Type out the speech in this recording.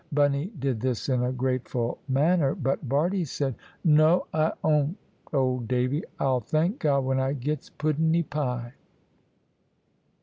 Bunny did this in a grateful manner, but Bardie said, "No, I 'ont, old Davy; I'll thank God when I gets puddeny pie."